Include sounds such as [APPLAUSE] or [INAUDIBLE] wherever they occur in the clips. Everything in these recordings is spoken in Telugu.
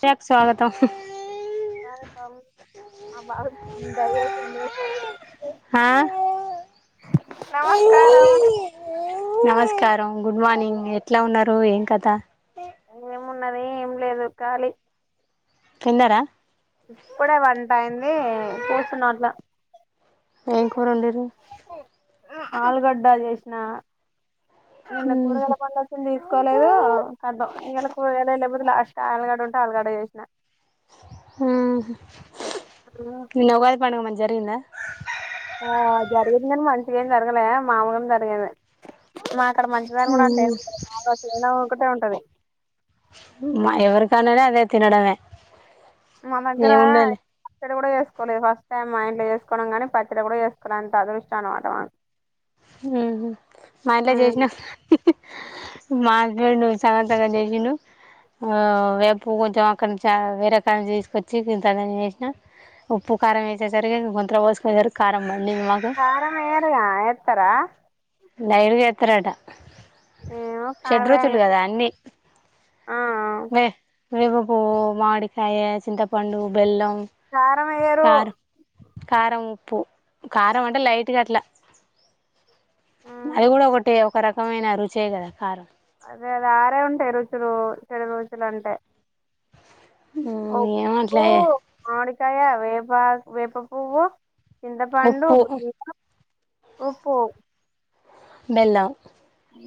శ్యాకు స్వాగతం [INAUDIBLE] ఆ నమస్కారం నమస్కారం గుడ్ మార్నింగ్ ఎట్లా ఉన్నారు ఏం కథ ఉన్నది ఏం లేదు కాలి తిన్నారా ఇప్పుడే వంట అయింది కూసున అట్లా ఏం కూర ఒండిరు ఆలుగడ్డ చేసిన నిన్న కూరగాయల బండి వచ్చింది. కోలేదు కతం ఇయాల కూరగాయలే లేవు లాస్ట్ ఆలగడ్డ ఉంటే ఆలుగడ్డ చేసిన హ్మ్ నిన్న ఉగాది పండగ మంచిగ జరిగిందా ఆ జరిగింది గాని మంచిగా ఏం జరగలే మామూలుగానే జరిగింది. అక్కడ మంచిదారు కూడా అంటే ఏమి ఉంటది చేయన ఒకటె ఉంటది మా ఎవరుకన్నాదే అదే తినడంమే మాన దగ్గర పచ్చడ కూడా చే వసుకోలే ఫస్ట్ టైం మా ఇంట్లో చేసుకోవడం కాని పచ్చడి కూడా చేసుకోనే అంత అదృష్టం అనమాట. మన ఉహు మాఇంట్ల చేశినా మా సగం సగం చేసిండు ఆ వేపుజా కొంచెం అక్కడి నుంచి వేరేకడినుంచి తీసుకొచ్చి ఇంత చేసినం ఉప్పు కారం వేసేసరికి గుంతలొ పోసుకునేసరికి కారం మండింది మాకు కారం ఎయ్యరుగ ఏతారా లైవ్ చేత్తారట ఏమో షడ్రుచులు కారమేయ్యరు కద అండి ఆ మీ వేప పువ్వు, మామిడికాయ, చింతపండు, బెల్లం కారం ఎయ్యరు కార్ కారం ఉప్పు కారం అంటే లైట్గా అట్లా అది మ్మ్ కూడా ఒకటె ఒక రకమైన రుచే కదా కారం అదే అద ఆరే ఉంటాయి రుచులు షెడ్ రుచులు అంటే హ్మ్ ఎం ఉంట్లాయిలే వేపాకయ వేప వేపపూవ్వు చింతపండు ఉప్పు బ ఉప్పు బెల్లం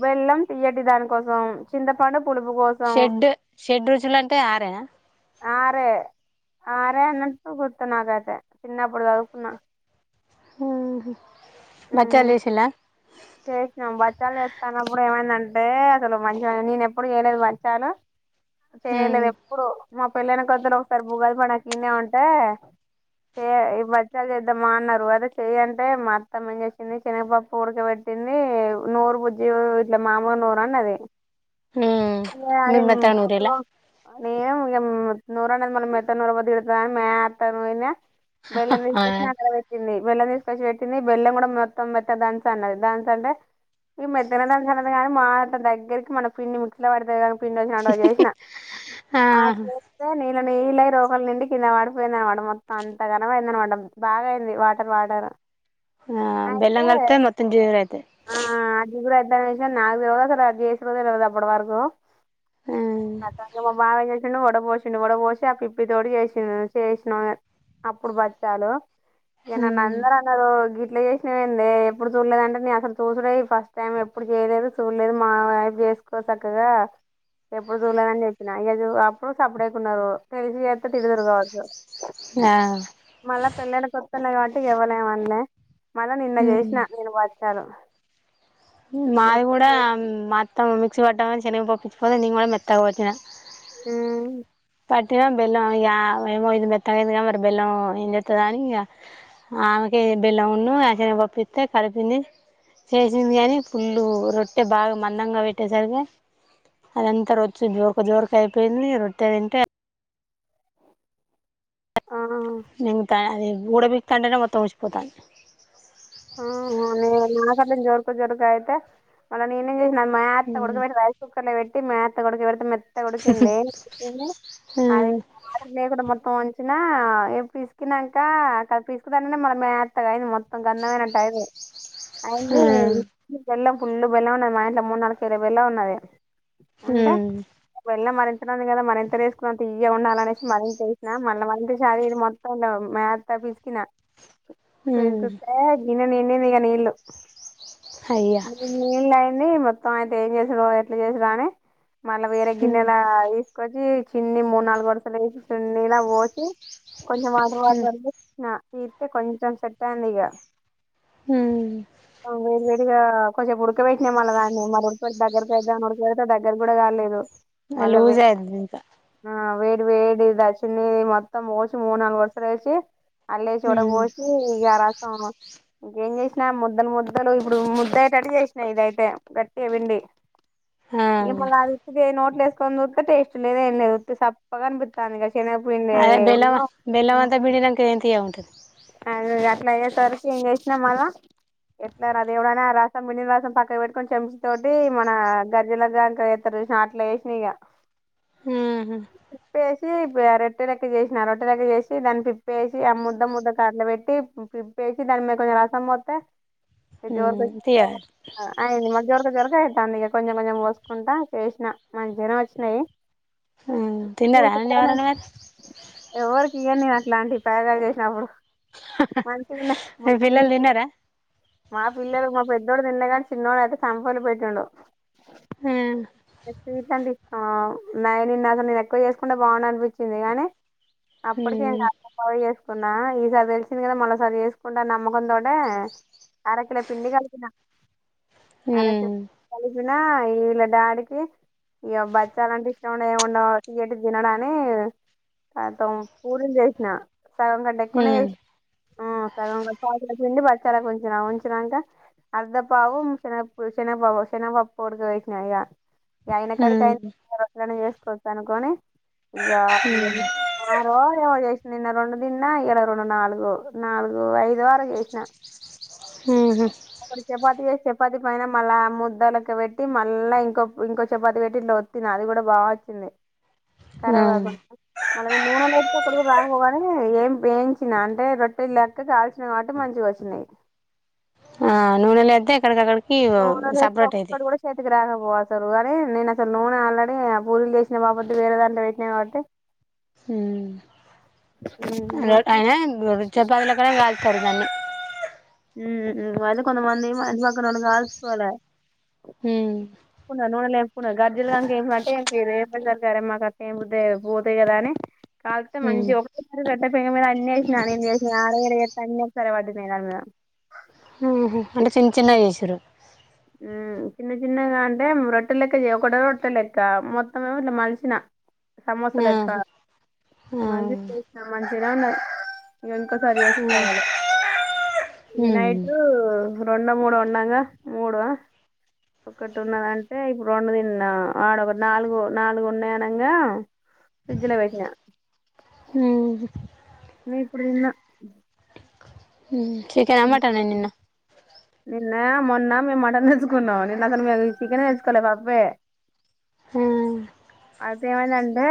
బెల్లం తీయ్యటి దానికోసం చింతపండు పులుపు కోసం షెడ్ షెడ్ రుచులు అంటే ఆరేనా ఆరే ఆరే అన్నట్టు గుర్తు నాకైతే చిన్నప్పుడు చదువుకున్నా. ఉహుమ్ బచ్చలు మ్మ్ చేసిర చేసినాం బచ్చాలు చేస్తానపుడు ఏమైందంటే అసలు మంచిగా నేను ఎప్పుడు చేయలేదు బచ్చాలు ఉమ్ చేయలేదు ఎప్పుడు మా పెళ్ళైన కొత్తలో ఒకసారి ఉగాది పండకు ఇడినే ఉంటే చేయ బచ్చలు చేద్దామా అన్నారు. అదే చెయ్య అంటే మ అత్తమ్మ ఏం చేసింది షనగపప్పు ఉడకబెట్ తింది నూరు బుజ్జి ఇట్ల మాములు నూరు అన్నది. మీరు మెత్తగా నూరిలా [UNINTELLIGIBLE] నేను ఇగ మ్ నూరుమానది మేత నారకపోతే తిడతాది అని మెత్తగా నూరిన బెల్లం ఆ తీసుకొచ్చి అక్కడ పెట్టింది. బెల్లం తీసుకొచ్చి పెట్టింది. బెల్లం కూడా మొత్తం మెత్త దంచు అన్నది. అంటే ఈ మెత్తగా అది కాని మా దగ్గరికి మన పిండి మిక్సీ లో పడుతది కానీ పిండ వచ్చినపుడు చేష్ణ ఆ చేస్తే ఇ నీళ్ళై రోకలి నిండి కింద పడిపోయింది అనమాట. మొత్తం అంత ఘనమైందనమాట బాగా అయింది వాటర్ వాటర్ ఆ అయితే బెలంగా కలిపితే మొత్తం జీగారు ఐతాయి ఆ అదిగుడ ఓదన్న విష్యం నాకు తెల్వద్ అసలు అది చేసిరో అప్పటి వరకు అదంతా మా బావకే వడ వొశిండు వడ వొషి ఆ పిప్పి తోటి చేసిండ చేష్ణ అప్పుడు బచ్చాలు ఇగ నాన్ అందర అన్నారు గిట్లో చేసినవిందే ఎప్పుడు చూడలేదంటేనే అసలు సుసుడే ఫస్ట్ టైం ఎప్పుడు చేయలేదు సూడలేదు మా వైపు చేసుకోర్ సక్కగా ఎప్పుడు సూడలేని చెప్పిన ఇగ అప్పుడు సప్పుడు దేకా ఉన్నారు తెలిసి చేస్త తజిడ్తార్ కావచ్చు ఆ మళ్ళా పెళ్ళైన కితల్నే కాబట్టి ఎవల్ ఎం అన్లే మళ్ళా నిన్న చేసిన నేను బచ్చలు మాది కూడా మా అత్తమ్మ మిక్సీ వట్టమని చెనగపప్పు ఇచ్చిపోతే నేన్ కూడా మెత్తగా వట్టిన హ్మ్ పట్టినా బెల్లం ఇగ ఆమేమో ఇది మెత్తగాయింద్ మరి బెల్లం ఏం జెతదాని అని ఇగ ఆమెకె బెల్లం ఉను అ చెనగపప్పితే కలిపింది చేసింది గాని పుల్లు రొట్టె బాగా మందంగా వెట్టేసరికి అదంతా రొచ్చి జోర్కు జోర్కు అయిపోయింది రొట్టే తింటే ఆ మింగుతా అది ఉడబికుతంటనే మొత్తం ఉషపోతంది ఆహ నాక్ అట్లనే జోరుకు జోరుక అయితే మళ్ళ నేమేం చే మేత్త హ్మ్ ఉడాకావాతే రైస్ కుక్కర్ లో పెట్టి మేత్త కొడుక పెడుతే ఉడికింది హ్మ్ [UNINTELLIGIBLE] మొత్తం చ్చినా ఏ పిసుకీన్నాక పిసుకుదానే మల మేత్తగాయింది మొత్తం [UNINTELLIGIBLE] బెల్లం ఫుల్లు బెల్లం ఉన్నది మా ఇంట్లో మూడు నాలుగు కిలో బెల్లం ఉన్నది అంటే హ్మ్ బెల్ల మరి మరి ఎంతేసుకున్న తీయగా ఉండాలనిషి మరింత ఏష్ణ మళ్ళ వాల్ అది ఇది మొత్తం మం పిస్కినా హ్మ్మ్ గిన్నె నిండినయ్ ఆ నీళ్లు అయ్యా నీళ్ళే అని మొత్తం అయితే ఏం చేసాడో ఎట్లా చేసడు అని మళ్ళా వేరే హ్మ్ గిన్నెల కొచ్చి చిన్ని మూడు నాలుగు వరుసలుగ చినిల వొసి కొంచెం హ్మ్ వాటర్వటర్ [UNINTELLIGIBLE] కొంచం సెట్ అయింద్ ఇగ హ్మ్ ఇగ కొంచెం ఉడక వేట్టినా మళ్ళ దాన్ని మర ఊడ్కవేటిన దగ్గరకి పెడితే దగ్గర కూడా కాలేదు మళ్ళా వే లూజ్ అయిద్ ఇంకా ఆ వేడి [UNINTELLIGIBLE] మొత్తం పోచ్చి మూడు నాలుగు వర్సాలెశి ఆలేసి ఓడ హ్మ్ పోసి ఇగ రసం ఇంకేం చేసినా ముద్దలు ముద్దలు ఇప్పుడు ముద్దయిటాటు చేసినా ఇదైతే గట్టిగ పిండి ఆ ఇగమాల ఉతిధి నోట్లు ఏసుకని జూతే టేస్ట్ లేద్ ఏం లేద్ చప్పగానిపిస్తాంది క చిన్నపుడు అదే బెల్లం ఇంగేనో బెల్లం అంతా పిండినంక ఏం తియ్యగుంటది అది అట్లా అయ్యేసరికి ఇగ చేసినాం మాల ఎట్లా రా దేవుడా అని ఆ రసం బిండిన రసం పక్క పెట్టుకొని చెంచా తోటి మన గర్జెలగా దాంట్ల ఎత్తర్ అట్లా ఏష్ణ ఇగ హ్మ్ హు రోటేలకి చేసిన రోటలకి చేసి దాని పిప్పేసి ఆ ముద్ద ముద్ద కార్ల పెట్టి పిప్ ఏచి దాని మీద కొంచెం రసం పోతే [UNINTELLIGIBLE] తీయాలి ఆయన మస్తుగా జరుగు దాని ఇగ ఎలాగీలాగా పోసుకుంటా మంచిగనే ఒచ్చినాయి హ్మ్ తిన్నారా అండి ఎవరేనా మరి ఎవరికి ఇయ్య నేను అట్లాంటి పైయాగల్ చేసినప్పుడు మంచిగున్నాయి మీ పిల్లలు [UNINTELLIGIBLE] తిన్నారా మా పిల్లలు మా పెద్దోడు తిన్లే కానీ చిన్నోడయితే [UNINTELLIGIBLE] ఆ పెటిండు ఆ నై నిన్ అసల్ నేను ఎక్కువ చేసుకుంటే బౌండంపిచింది కానీ అప్పటికేను ఉమ్ పవ చేసుకున్నా ఈ సారి తెల్స్గ మళ్ళసారి చేసుకుంట అనె నమ్మకం తోటె అరకిల పిండి కలిపిన ఉమ్ నిన్న ఇల్లా డాడికి ఇగ బచ్చాలంటే ఇష్టం ఏముండవ్ తియట్ది తినడని కతం పురీలు జేష్ణ సగం కంటె ఎక్కువనే ఉమ్ ఆ సగం పావ్ కిల పిండి బచ్చలకు ఉంచిన ఉంచినంక అర్దపావు శేన్నప్పు శేనపపు శేనపప్పు ఉడకబెట్టిన ఇగ ఇగ అయ్న కడికి ఉమ్ అయ్ చేసుకొవచ్చు అనుకొని ఇగ ఆరో ఏమో నిన్న రెండు దిన్న ఇయాల రెండు నాలుగు లు నాలుగు ఐదొ ఆరో చేశిన ఉహు ఒకటి చపాతి చె చపాతి పైన మళ్ళ ముద్దలక పెట్టి మళ్ళ ఇంకొ ఇంకొ చపాతి వెట్టి ఇట్లఒత్తిన అది గుడ బా చింది ఆ కరాబ్ గాకుండన మల్ల నేను నూనె ఎంచితే ఒకటి కూడా రాకపోవు గని ఎంపు ఎంచిన అంటే రొట్టెల్లక కాల్చిన కవాటి మంచిగ ఒచ్చినయ్ ఆ నూనె లేతె ఎక్కడికి అకడ నూనె లేతే ఒక్కటి గుడ చేతికి రాకపొవ్ అసల్ నేన్ అసల్ నూనె ఆల్రెడీ పూర్లు జెసిన బాపత్ వేరే దాంట్ల వెట్టిన కాబట్టి ఉ ఐన చపాతిల కడ కల్తార్ దాన్ని ఉ ఇవాళ కొంత మంది మా ఇంటి పక్కనఒళ్లు ఆల్పి కాలుస్కొలె ఉ ఇప్పుడు గర్జీలుగాంకేం అంటే ఇరవై పోతాయి కదా అని కాళ్తే ఉమ్ మంచిగ ఒకటె సారి రొట్టె పెంక మీద అన్ని ఏశిన నేన్ చెశిన ఆడ ఇడ ఏతె అన్ని ఒకసారి వడినయ్ నవ్య ఉహు అంటే చిన్న చిన్నవగ చేసిన్రు ఉ చిన్న చిన్నగా అంటే రొట్టె లెక్క చేయ్ ఒకటె రొట్టె లెక్క మొత్తం ఇట్ల మల్శిన సమోస లెక్క ఆహా ఆ మళ్ళి చెశిన మంచినె ఉన్నయ్ అది అంత సరి చేేసుకొలె ఇగ ఉమ్ నైటు రెండ మూడు ఉండంగ మూడ ఒకటి ఉన్నదంటే ఇప్పుడు రెండు తిన్నా ఆడ ఒక నాలుగు నాలుగు ఉన్నయ్ అనంగ ఫ్రిడ్జ్ల పెట్న ఉహు నేన్ ఇప్పుడ్తిన్న చికెన్ ఆ మటన్ అ నిన్న నిన్న మొన్న మేమ్ మటన్ తెచ్చుకున్నం నిన్న అసల్ మేమ్ చికెన్ ఏ తెచ్చుకొలె పప్పే ఆ అయితే ఏమైందంటే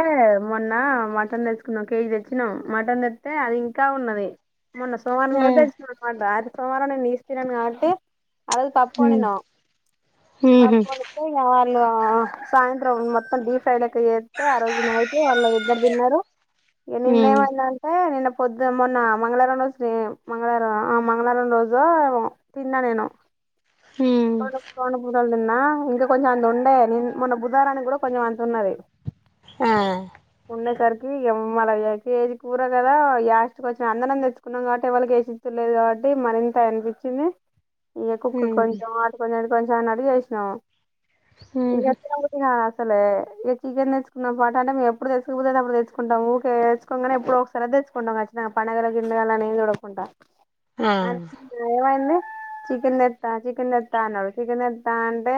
మొన్న మటన్ తెచ్చుకున్నం కేజీ తెచ్చినం మటన్ తెత్తే అది ఇంకా ఉన్నది. మొన్న సొమ్వారం ఆ రోజ్ తెచ్చినం అనమాట అయ్తె సొమ్వారం నేన్ నీస్ తినను కావట్టి ఆ రోజ్ పప్ ఉమ్ ఓడినం పప్ ఉహు ఓడితే ఇగ ఆల్లు ఆ సాయిత్రం మొత్తం డీ ఫ్రై లెక్క ఏత్తే ఆ రోజు నైట్ వాళ్ ఇద్దరు తిన్నరు ఇగ నిన్న ఉమ్ ఏమైందంటే పొద్ మొన్న మంగళారం రోజు మంగళరం ఆ మంగళరం రోజొ ఏమో తిన్న నేను [INAUDIBLE] రెండ్ రెండు పుటల్ న్న ఇంక కొంచెం అంత ఉండే నెన్ మొన్న బుధారానికి గుడ కొంచెం అంత ఉన్నది ఆ ఉండేసరికి ఇగ ఎవ్వల్ ఇగ కెజి కూర గద యాష్టక్ ఒచ్చిన అందరం కలిసి తిన్నం కావట్టి ఎవ్వలకి ఏ తెల్వదు కావట్టి మరి ఇంత అనిపించింది ఇక కుక్కు కొం కొంచెం కొంచెం అన్నట్టు చేసినం ఇగ తిన బుద్ధి కాలే కోలే ఇక్ చికెన్ తెచ్చుకున్న పట్టు అంటే మేమ్ప్పుడు తెచ్చకపోతే అప్పుడు తెచ్చుకుంటం ఊకే తెచ్చుకోనే ఎప్పుడొ ఒక్సారి అయ్తె తెచ్చుకుంటం ఏట్ల అయిన పండుగరోజ్ ఉండదు అని ఎం సూడకుంట ఆహ్ ఏమైయింది చికెన్ తెచ్చిన తిను. చికెన్ తెత అన్నాడు చికెన్ తెత అంటే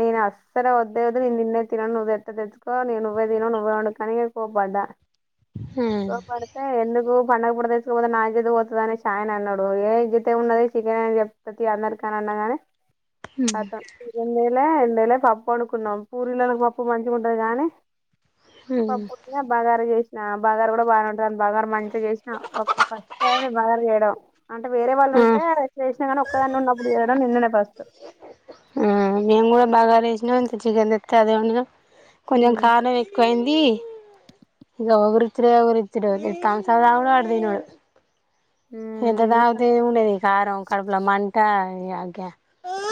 నేను అసలు వద్దే వద్దు నేను నిన్నే తినను నువైతే తెచ్చుకో ఇగ నువ్వే తిను నువ్వే వండుకొని ఇగ కోపడ్డ ఇగ కోపడితే ఇగ ఎందుకు. పండుగ పూట తీసుకపోతే నా ఇజత్ ఎహ్ పోతది అని ఛైయన అన్నాడు ఏ గింతే ఉన్నది చికెన్ అని చెప్తా తియ్ అన్నాడు. అని అన్నగానే కతం ఈ రెండువేల. లే పప్పు వండుకున్నాము పూరీలకు పప్పు మంచిగా ఉంటది గానీ. పప్పు కి బాగారా చేశినా. ఆహ్ బాగారా కూడా బాగానేంటుందిని బగారు మంచిగా చేసినా ఒక ఫస్ట్ టైం బాగారా చేయడం అంటే వేరే వాళ్ళు. అంటే చేసినా కానీ ఒక్కదాని ఉన్నప్పుడు చేయడం నిన్ననే ఫస్ట్ టైం. నేను కూడా బాగారా జేషం ఇంత చికెన్ తెత్తే అదే ఒండినం కొంచెం హ్మ్ కారం ఎక్కువ అయింది. ఇ ఇగ ఎవరిచ్చిడో ఎవరిచ్చిండో ఇగ తంసప్ తాగుడు వాడు తినుడు. ఎంత హ్మ్ తాగితే ఏం ఉన్నది కారం కడుపులో మంట.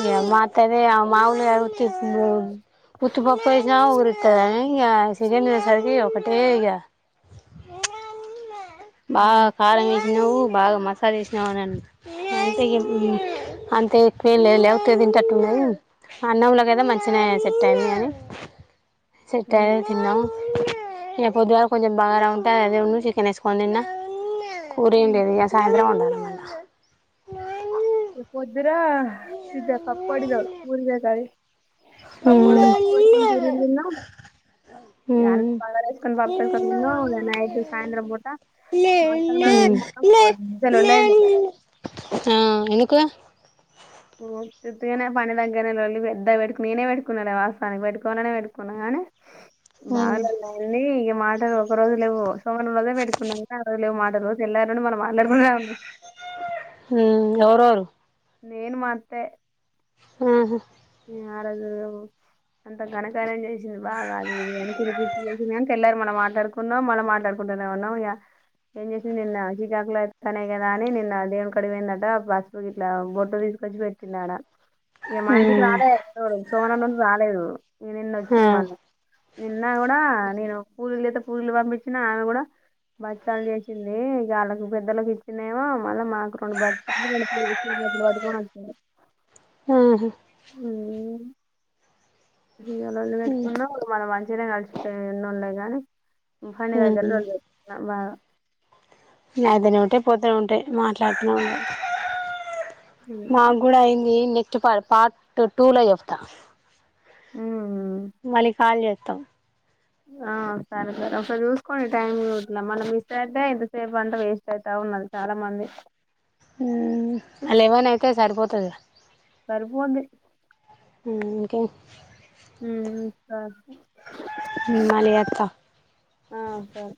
ఈ మతాది మావూల్ [INAUDIBLE] ఉత్తి ప పప్పైనా ఉరితదై. ఇక సిలిండర్ అనేసరికి ఒకటే ఇగ ప్చ్. బాగా కారం వేసినవూ. బాగా మసాలా ఏష్ణవ అంటే అంతే ఎక్కువ ఏం లేదు తింటాటున్నది. హ్మ్ అన్నంలో కాదా మంచిగానే సెట్ అయిందిగాని. సెట్ ఆయె హ్మ్ తిన్నం ప్చ్. ఇగ పొద్దుగాల కొంచెం బాగారా ఉంటే అదే ఉను చికెన్ ఏసుకొని తిన్న కూర ఏం లేదు ఇగ. సాయంత్రం వండాలి ఇగ. ఇగ పొద్దున గింత పప్పు ఒండిన పూరీలకి అని. పప్పు ఒండితే పప్పు పోసుకొని హ్మ్ పూరీలు తిన్న. ఇగ హ్మ్ బాగారా వెస్కొని పప్పు ఏస్కోని తిన్న నైట్ సాయంత్రం పూట. [INAUDIBLE] పెద్ద లోలైయింది. ఆహ్ ఎందుకు. ఉత్తుతిగానే పని దగ్గర లోల్లి పెద్దగా పెట్టు నేనే పెట్టుకున్నాలే వాస్తవానికి పెట్టుకొవలనే పెట్టుకున్నాగాని. బాగా హ్మ్ లొల్లి అయింది ఇగ. మాటలు ఒకరోజు లేవు సోమవారం రోజే పెట్టుకున్నాం ఇంకా ఆ రోజు లేవు మాటలు ఆరోజు తెల్లరినే. ఉహ్మ్ ఎవరెవరు. నేను మా అత్తే. హ్మ్మ్ ఉహూ. ఇగ ఆరోజు. అంత ఘనకార్యం చేసింది బాగా అది ఇది అని ఇగ తిట్టి చేసినంది గాను ఇగ తెల్లరి మల మాట్లాడుకున్నాము మల మాట్లాడుకునం ఇంట్లోనే ఉన్నాం ఇగ. ఏం చేసింది నిన్న శ్రీకాకుళస్తున్నాయి కదా అని నిన్న దేవుని కడి పోయిందట పసుపు గిట్ల బొట్ తీస్. బొట్టు పెట్టింది ఆడ. ఇగ మా ఇంటికి హ్మ్ రాలే చినోడు సోమవారం నాడు రాలేదు ఉమ్ ఇగ నిన్న ఆ ఒచ్చిండు మల్ల. నిన్న కూడా నేను పూరీలు చేతే పూరీలు పంపించినా ఆమె కూడా. బచ్చలు చేసింది ఇగ వాళ్ళకి పెద్దలకు ఇచ్చిందేమో. మళ్ళా మాకు రెండు బచ్చలు [INAUDIBLE] వచ్చింది. ఆహా ఇగ లోల్లి పెట్టుకున్నాము మన మంచిగానే కలిసిపోయినుండే కాని. పని దగ్గర హ్మ్ లోల్లి పెట్టుకున్నాము బాగా. ఇగ అయితనే ఉంటాయి పోతనే ఉంటాయి. మాట్లాడుతున్నా ఇగ అంతే మాకు కూడా అయింది neck. Two per part two లో చెప్తా. ఉహ్మ్. మల్లీ కాల్ చేతం. ఆహ్ సరే సరే ఒకసారి చూసుకోండి టైం ఇట్ల మనం మిస్ అయితే ఇంతసేపు అంతా వేస్ట్ అవుతాది. న్నది చాలా మంది ఉమ్ లెవెన్ అయితే సరిపోతదిగ. సరిపోయింది ఉమ్ ఇంకేం ఉమ్ సరే మళ్ళీ చేత్తా ఆ సరే